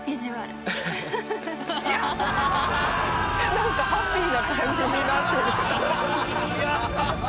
なんかハッピーな感じになってる。